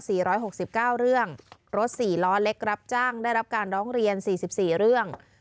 ร้อยหกสิบเก้าเรื่องรถสี่ล้อเล็กรับจ้างได้รับการร้องเรียนสี่สิบสี่เรื่อง